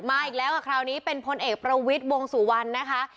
มาอีกแล้วกับคราวนี้เป็นพลเอกประวิทย์วงสุวรรณนะคะ